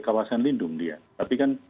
kawasan lindung dia tapi kan